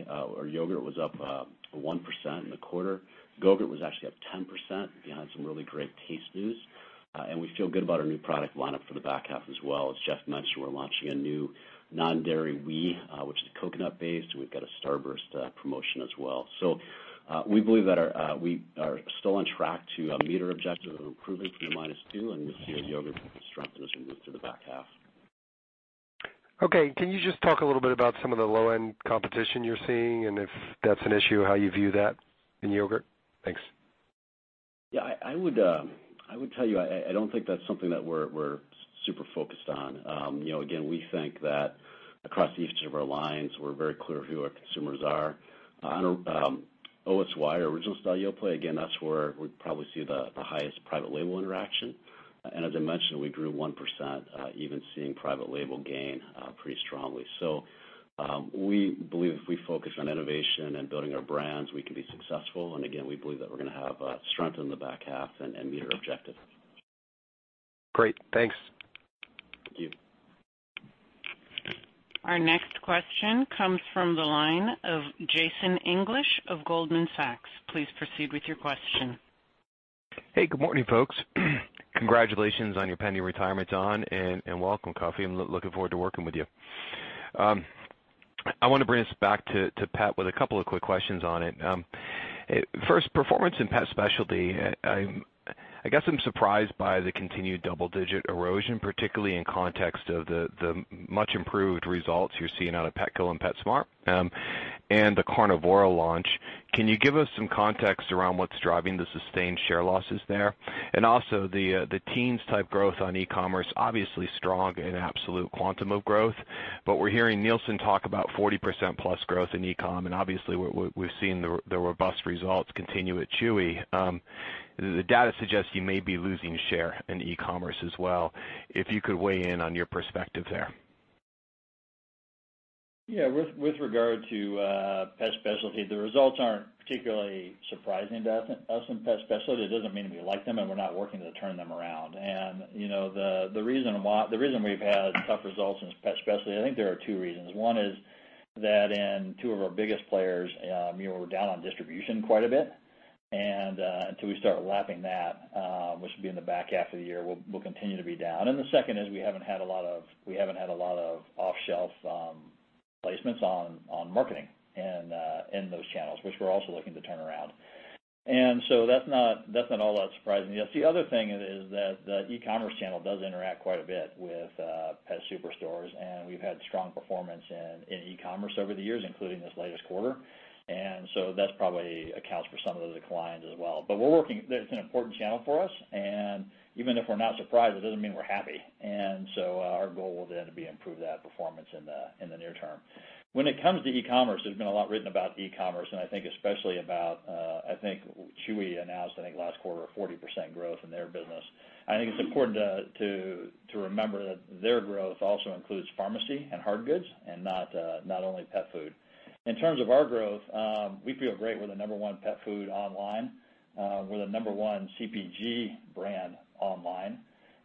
Original, our yogurt was up 1% in the quarter. Go-GURT was actually up 10%, again, on some really great taste news. We feel good about our new product lineup for the back half as well. As Jeff mentioned, we're launching a new Oui Dairy Free, which is coconut-based, and we've got a Starburst promotion as well. We believe that we are still on track to meet our objective of improving from the -2%, and we'll see our yogurt strengthen as we move through the back half. Okay. Can you just talk a little bit about some of the low-end competition you're seeing, and if that's an issue, how you view that in yogurt? Thanks. Yeah, I would tell you, I don't think that's something that we're super focused on. We think that across each of our lines, we're very clear who our consumers are. On OSY, our Original Style Yoplait, again, that's where we probably see the highest private label interaction. As I mentioned, we grew 1%, even seeing private label gain pretty strongly. We believe if we focus on innovation and building our brands, we can be successful. Again, we believe that we're going to have strength in the back half and meet our objective. Great. Thanks. Thank you. Our next question comes from the line of Jason English of Goldman Sachs. Please proceed with your question. Hey, good morning, folks. Congratulations on your pending retirement, John, and welcome, Kofi. I'm looking forward to working with you. I want to bring us back to Pat with a couple of quick questions on it. First, performance in pet specialty. I guess I'm surprised by the continued double-digit erosion, particularly in context of the much-improved results you're seeing out of Petco and PetSmart, and the Carnivora launch. Can you give us some context around what's driving the sustained share losses there? Also the teens type growth on e-commerce, obviously strong in absolute quantum of growth, but we're hearing Nielsen talk about 40% plus growth in e-com and obviously we've seen the robust results continue at Chewy. The data suggests you may be losing share in e-commerce as well. If you could weigh in on your perspective there. Yeah. With regard to pet specialty, the results aren't particularly surprising to us in pet specialty. It doesn't mean we like them and we're not working to turn them around. The reason we've had tough results in pet specialty, I think there are two reasons. One is that in two of our biggest players, we were down on distribution quite a bit, and until we start lapping that, which will be in the back half of the year, we'll continue to be down. The second is we haven't had a lot of off-shelf placements on marketing in those channels, which we're also looking to turn around. That's not all that surprising. The other thing is that the e-commerce channel does interact quite a bit with pet superstores, and we've had strong performance in e-commerce over the years, including this latest quarter. That probably accounts for some of the declines as well. It's an important channel for us, and even if we're not surprised, it doesn't mean we're happy. Our goal will then be to improve that performance in the near term. When it comes to e-commerce, there's been a lot written about e-commerce, and I think especially about, I think Chewy announced, I think last quarter, a 40% growth in their business. I think it's important to remember that their growth also includes pharmacy and hard goods and not only pet food. In terms of our growth, we feel great. We're the number 1 pet food online. We're the number 1 CPG brand online,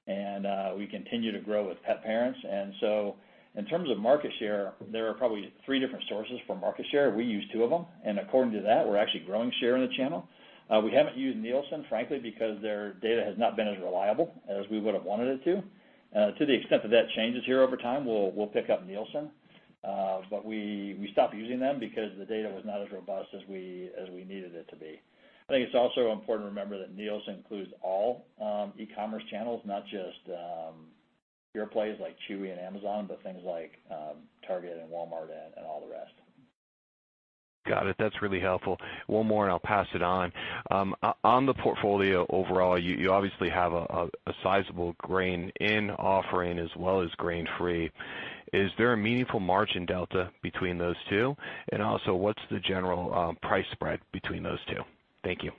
and we continue to grow with pet parents. In terms of market share, there are probably three different sources for market share. We use two of them, and according to that, we're actually growing share in the channel. We haven't used Nielsen, frankly, because their data has not been as reliable as we would have wanted it to. To the extent that that changes here over time, we'll pick up Nielsen. We stopped using them because the data was not as robust as we needed it to be. I think it's also important to remember that Nielsen includes all e-commerce channels, not just pure plays like Chewy and Amazon, but things like Target and Walmart and all the rest. Got it. That's really helpful. One more. I'll pass it on. On the portfolio overall, you obviously have a sizable grain-in offering as well as grain-free. Is there a meaningful margin delta between those two? Also, what's the general price spread between those two? Thank you.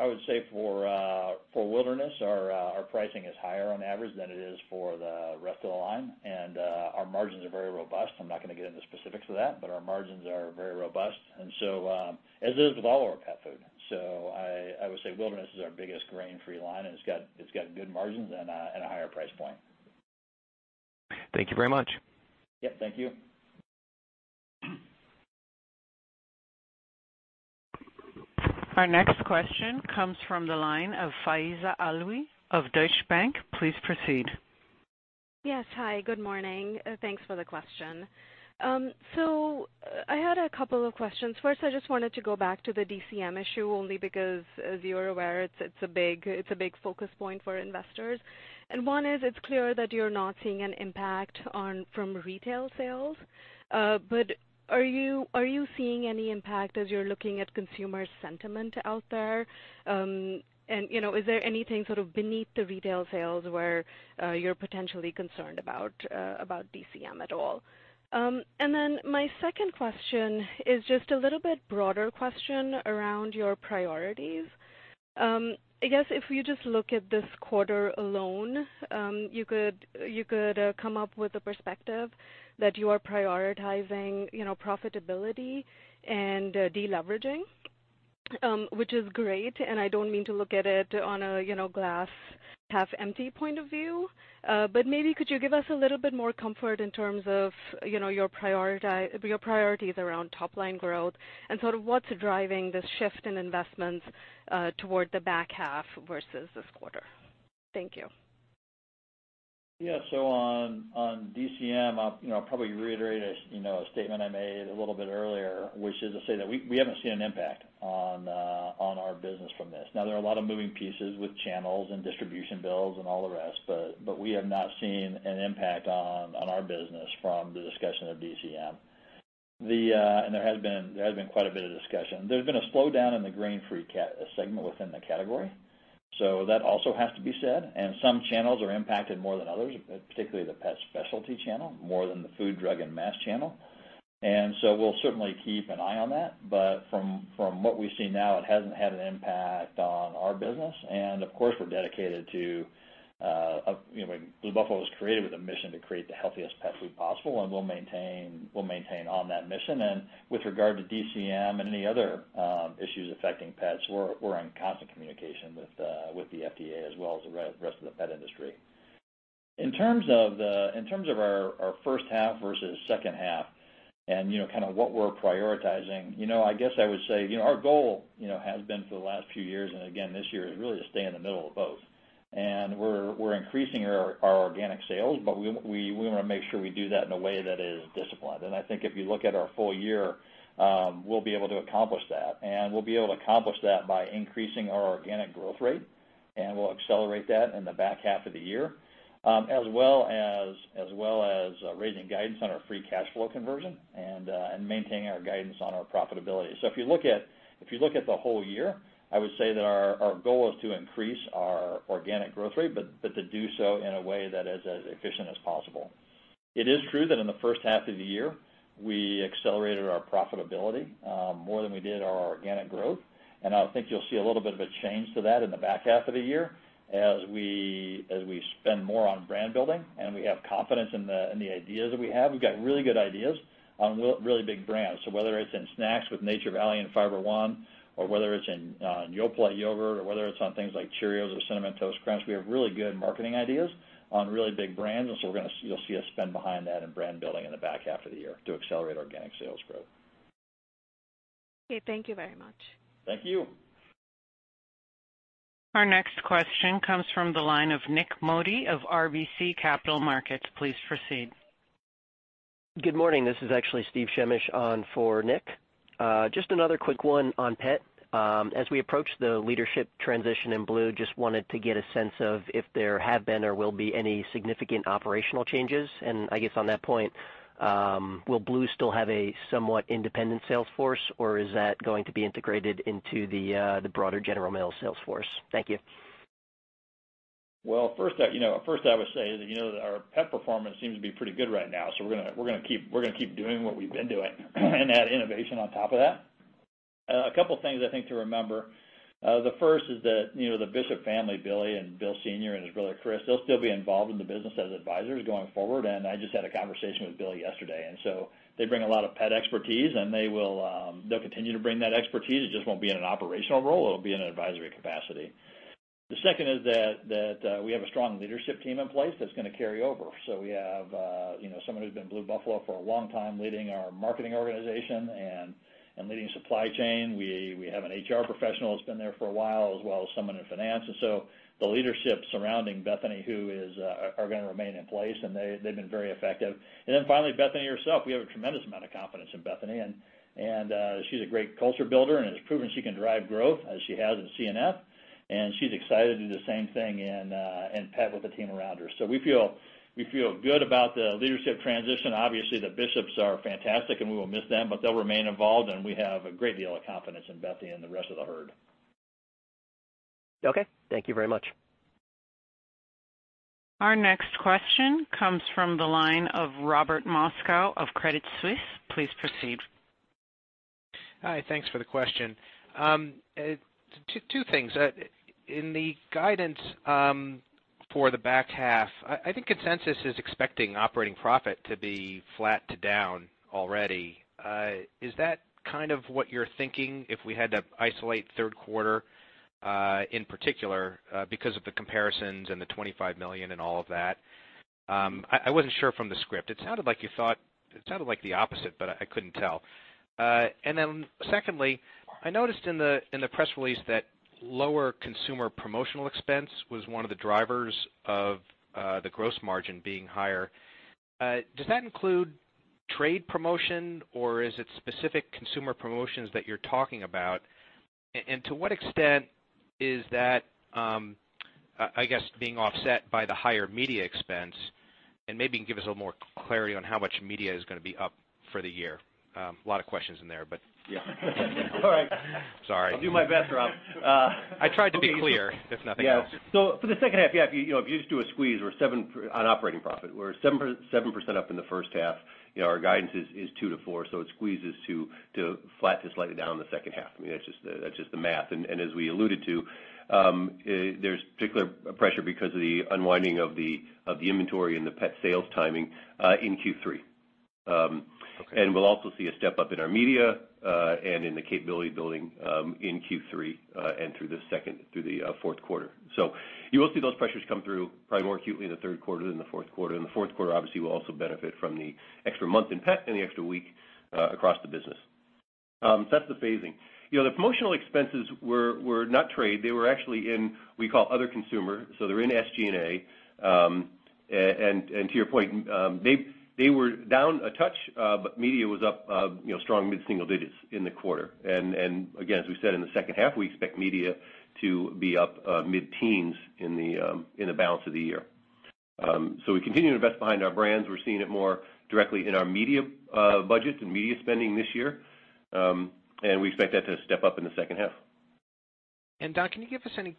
I would say for Wilderness, our pricing is higher on average than it is for the rest of the line, and our margins are very robust. I'm not going to get into specifics of that, but our margins are very robust, as is with all of our pet food. I would say Wilderness is our biggest grain-free line, and it's got good margins and a higher price point. Thank you very much. Yeah. Thank you. Our next question comes from the line of Faiza Alwy of Deutsche Bank. Please proceed. Yes. Hi, good morning. Thanks for the question. I had a couple of questions. First, I just wanted to go back to the DCM issue only because, as you are aware, it's a big focus point for investors. One is, it's clear that you're not seeing an impact from retail sales, but are you seeing any impact as you're looking at consumer sentiment out there? Is there anything sort of beneath the retail sales where you're potentially concerned about DCM at all? My second question is just a little bit broader question around your priorities. I guess if you just look at this quarter alone, you could come up with a perspective that you are prioritizing profitability and de-leveraging, which is great, and I don't mean to look at it on a glass half empty point of view. Maybe could you give us a little bit more comfort in terms of your priorities around top-line growth and sort of what's driving this shift in investments toward the back half versus this quarter? Thank you. On DCM, I'll probably reiterate a statement I made a little bit earlier, which is to say that we haven't seen an impact on our business from this. There are a lot of moving pieces with channels and distribution builds and all the rest, but we have not seen an impact on our business from the discussion of DCM. There has been quite a bit of discussion. There's been a slowdown in the grain-free segment within the category, so that also has to be said, and some channels are impacted more than others, particularly the pet specialty channel, more than the food, drug, and mass channel. We'll certainly keep an eye on that, but from what we've seen now, it hasn't had an impact on our business, and of course, Blue Buffalo was created with a mission to create the healthiest pet food possible, and we'll maintain on that mission. With regard to DCM and any other issues affecting pets, we're in constant communication with the FDA as well as the rest of the pet industry. In terms of our first half versus second half and what we're prioritizing, I guess I would say our goal has been for the last few years, and again this year, is really to stay in the middle of both. We're increasing our organic sales, but we want to make sure we do that in a way that is disciplined. I think if you look at our full year, we'll be able to accomplish that, and we'll be able to accomplish that by increasing our organic growth rate, and we'll accelerate that in the back half of the year, as well as raising guidance on our free cash flow conversion and maintaining our guidance on our profitability. If you look at the whole year, I would say that our goal is to increase our organic growth rate, but to do so in a way that is as efficient as possible. It is true that in the first half of the year, we accelerated our profitability more than we did our organic growth. I think you'll see a little bit of a change to that in the back half of the year as we spend more on brand building and we have confidence in the ideas that we have. We've got really good ideas on really big brands. Whether it's in snacks with Nature Valley and Fiber One, or whether it's in Yoplait yogurt, or whether it's on things like Cheerios or Cinnamon Toast Crunch, we have really good marketing ideas on really big brands. You'll see us spend behind that in brand building in the back half of the year to accelerate organic sales growth. Okay, thank you very much. Thank you. Our next question comes from the line of Nik Modi of RBC Capital Markets. Please proceed. Good morning. This is actually Steven Shemesh on for Nik. Just another quick one on pet. As we approach the leadership transition in Blue, just wanted to get a sense of if there have been or will be any significant operational changes. I guess on that point, will Blue still have a somewhat independent sales force, or is that going to be integrated into the broader General Mills sales force? Thank you. Well, first I would say that our pet performance seems to be pretty good right now. We're going to keep doing what we've been doing and add innovation on top of that. A couple things I think to remember. The first is that the Bishop family, Billy and Bill Senior and his brother Chris, they'll still be involved in the business as advisors going forward, and I just had a conversation with Billy yesterday, and so they bring a lot of pet expertise and they'll continue to bring that expertise. It just won't be in an operational role. It'll be in an advisory capacity. The second is that we have a strong leadership team in place that's going to carry over. We have someone who's been Blue Buffalo for a long time leading our marketing organization and leading supply chain. We have an HR professional that's been there for a while, as well as someone in finance. The leadership surrounding Bethany are going to remain in place, and they've been very effective. Finally, Bethany herself, we have a tremendous amount of confidence in Bethany, and she's a great culture builder, and has proven she can drive growth as she has in C&F. She's excited to do the same thing in pet with the team around her. We feel good about the leadership transition. Obviously, the Bishops are fantastic and we will miss them, but they'll remain involved and we have a great deal of confidence in Bethany and the rest of the herd. Okay, thank you very much. Our next question comes from the line of Robert Moskow of Credit Suisse. Please proceed. Hi, thanks for the question. Two things. In the guidance for the back half, I think consensus is expecting operating profit to be flat to down already. Is that kind of what you're thinking if we had to isolate third quarter, in particular, because of the comparisons and the $25 million and all of that? I wasn't sure from the script. It sounded like the opposite, but I couldn't tell. Then secondly, I noticed in the press release that lower consumer promotional expense was one of the drivers of the gross margin being higher. Does that include trade promotion, or is it specific consumer promotions that you're talking about? To what extent is that, I guess, being offset by the higher media expense? Maybe give us a little more clarity on how much media is going to be up for the year. A lot of questions in there. Yeah. All right. Sorry. I'll do my best, Rob. I tried to be clear, if nothing else. Yeah. For the second half, if you just do a squeeze on operating profit, we're 7% up in the first half. Our guidance is 2%-4%. It squeezes to flat to slightly down in the second half. That's just the math. As we alluded to, there's particular pressure because of the unwinding of the inventory and the pet sales timing in Q3. Okay. We'll also see a step-up in our media, and in the capability building, in Q3, and through the fourth quarter. You will see those pressures come through probably more acutely in the third quarter than the fourth quarter. The fourth quarter, obviously, will also benefit from the extra month in Pet and the extra week across the business. That's the phasing. The promotional expenses were not trade. They were actually in, we call Other Consumer, so they're in SG&A. To your point, they were down a touch, but media was up strong mid-single digits in the quarter. Again, as we said, in the second half, we expect media to be up mid-teens in the balance of the year. We continue to invest behind our brands. We're seeing it more directly in our media budget and media spending this year. We expect that to step up in the second half. Don, can you give us any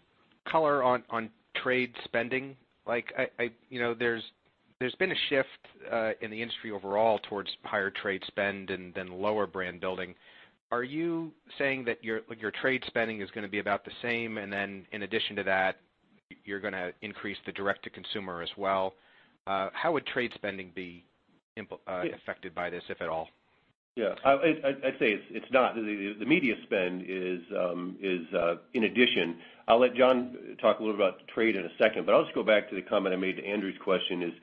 color on trade spending? There's been a shift in the industry overall towards higher trade spend and then lower brand building. Are you saying that your trade spending is going to be about the same, and then in addition to that, you're going to increase the direct to consumer as well? How would trade spending be affected by this, if at all? Yeah, I'd say it's not. The media spend is in addition. I'll let John talk a little about the trade in a second, but I'll just go back to the comment I made to Andrew Lazar's question is,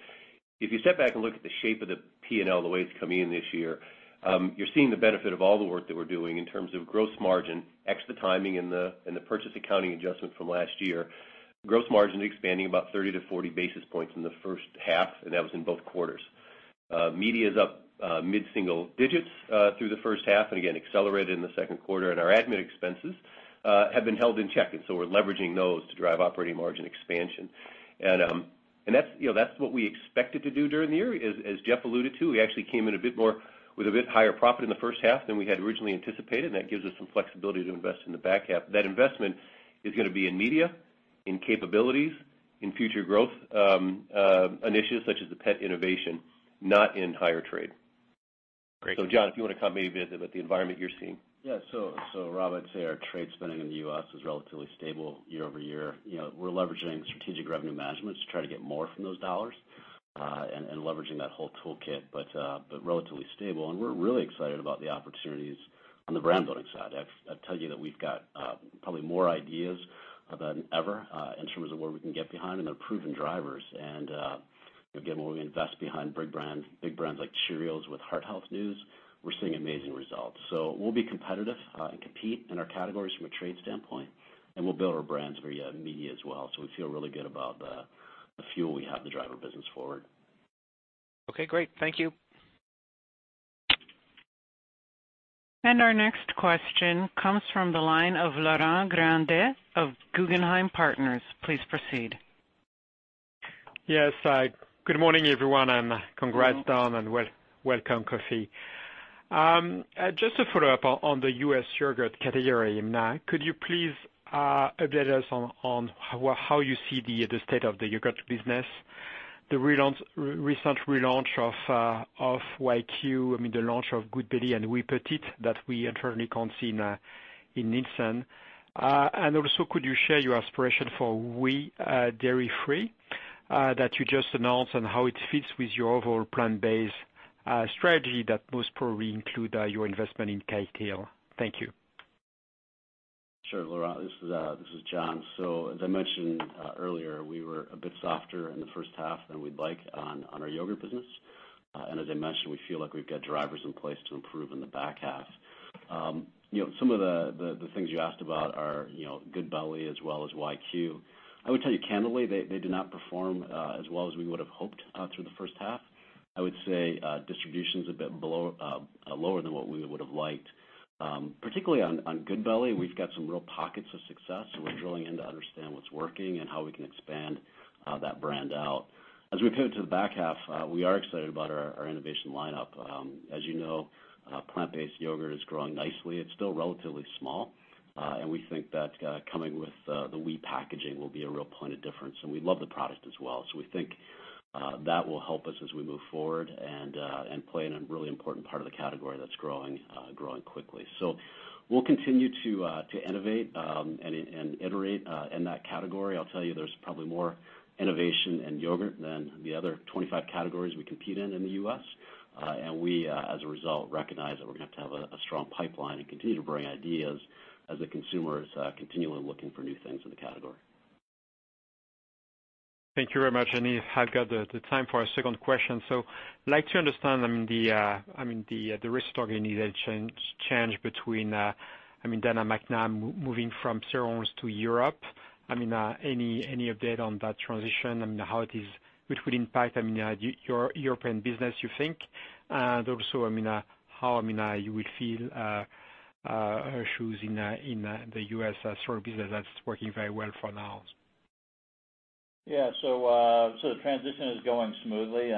if you step back and look at the shape of the P&L, the way it's coming in this year, you're seeing the benefit of all the work that we're doing in terms of gross margin, ex the timing and the purchase accounting adjustment from last year. Gross margin expanding about 30-40 basis points in the first half, that was in both quarters. Media's up mid-single digits through the first half, again, accelerated in the second quarter. Our admin expenses have been held in check, so we're leveraging those to drive operating margin expansion. That's what we expected to do during the year. As Jeff alluded to, we actually came in with a bit higher profit in the first half than we had originally anticipated, and that gives us some flexibility to invest in the back half. That investment is going to be in media, in capabilities, in future growth initiatives such as the pet innovation, not in higher trade. Great. John, if you want to comment a bit about the environment you're seeing. Yeah. Rob, I'd say our trade spending in the U.S. is relatively stable year-over-year. We're leveraging strategic revenue management to try to get more from those dollars, and leveraging that whole toolkit, but relatively stable. We're really excited about the opportunities on the brand building side. I'll tell you that we've got probably more ideas than ever in terms of where we can get behind, and they're proven drivers. Again, when we invest behind big brands like Cheerios with heart health news, we're seeing amazing results. We'll be competitive and compete in our categories from a trade standpoint, and we'll build our brands via media as well. We feel really good about the fuel we have to drive our business forward. Okay, great. Thank you. Our next question comes from the line of Laurent Grandet of Guggenheim Partners. Please proceed. Yes. Good morning, everyone, congrats, Don, and welcome, Kofi. Just a follow-up on the U.S. yogurt category. Could you please update us on how you see the state of the yogurt business, the recent relaunch of YQ, I mean, the launch of GoodBelly and Oui Petites that we internally can't see in Nielsen. Also, could you share your aspiration for Oui Dairy Free that you just announced and how it fits with your overall plant-based strategy that most probably include your investment in Kite Hill. Thank you. Sure, Laurent, this is Jon. As I mentioned earlier, we were a bit softer in the first half than we'd like on our yogurt business. As I mentioned, we feel like we've got drivers in place to improve in the back half. Some of the things you asked about are GoodBelly as well as YQ. I would tell you candidly, they did not perform as well as we would've hoped through the first half. I would say distribution's a bit lower than what we would've liked. Particularly on GoodBelly, we've got some real pockets of success, and we're drilling in to understand what's working and how we can expand that brand out. As we pivot to the back half, we are excited about our innovation lineup. As you know, plant-based yogurt is growing nicely. It's still relatively small. We think that coming with the Oui packaging will be a real point of difference, and we love the product as well. We think that will help us as we move forward and play in a really important part of the category that's growing quickly. We'll continue to innovate and iterate in that category. I'll tell you, there's probably more innovation in yogurt than the other 25 categories we compete in in the U.S. We, as a result, recognize that we're going to have to have a strong pipeline and continue to bring ideas as the consumer is continually looking for new things in the category. Thank you very much. If I've got the time for a second question, like to understand, the risk target needed change between Dana McNabb moving from cereals to Europe. Any update on that transition and how it is, which will impact your European business, you think? Also, how you will fill her shoes in the U.S. cereal business that's working very well for now. Yeah. The transition is going smoothly.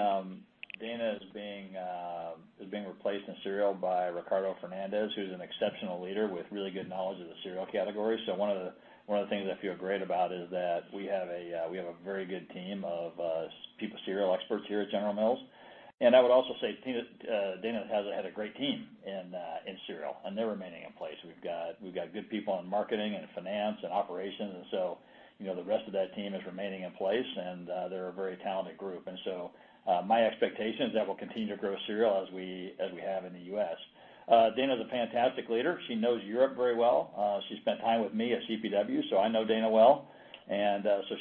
Dana is being replaced in cereal by Ricardo Fernandez, who's an exceptional leader with really good knowledge of the cereal category. One of the things I feel great about is that we have a very good team of people, cereal experts here at General Mills. I would also say Dana has had a great team in cereal, and they're remaining in place. We've got good people in marketing and finance and operations, the rest of that team is remaining in place, and they're a very talented group. My expectation is that we'll continue to grow cereal as we have in the U.S. Dana's a fantastic leader. She knows Europe very well. She spent time with me at CPW, I know Dana well.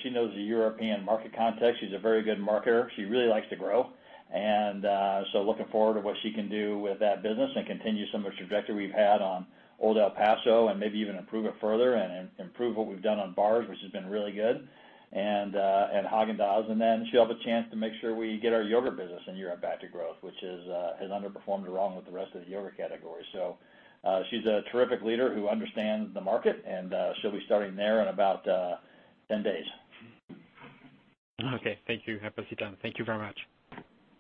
She knows the European market context. She's a very good marketer. She really likes to grow. Looking forward to what she can do with that business and continue some of the trajectory we've had on Old El Paso and maybe even improve it further and improve what we've done on bars, which has been really good, and Häagen-Dazs. She'll have a chance to make sure we get our yogurt business in Europe back to growth, which has underperformed along with the rest of the yogurt category. She's a terrific leader who understands the market, and she'll be starting there in about 10 days. Okay, thank you. Appreciate, Don. Thank you very much.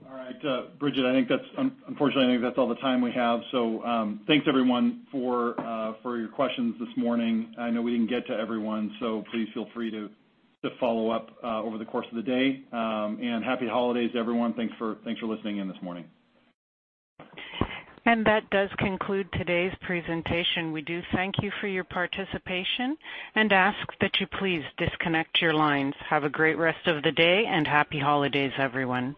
All right. Bridget, unfortunately, I think that's all the time we have. Thanks everyone for your questions this morning. I know we didn't get to everyone, so please feel free to follow up over the course of the day. Happy holidays, everyone. Thanks for listening in this morning. That does conclude today's presentation. We do thank you for your participation and ask that you please disconnect your lines. Have a great rest of the day, and happy holidays, everyone.